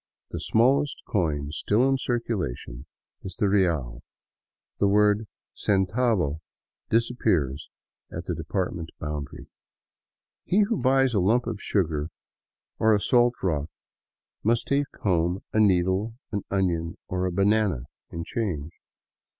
The smallest coin still in circulation is the real — the word centavo disappears at the department boundary. He who buys a lump of sugar or a salt rock must take home a needle, an onion, or a banana in change.